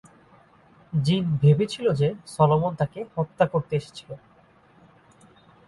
জিন ভেবেছিল যে সলোমন তাকে হত্যা করতে এসেছিল।